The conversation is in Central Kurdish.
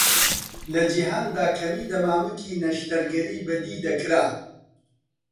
لە جیهاندا کەمی دەمامکی نەشتەرگەری بەدیدەکرا.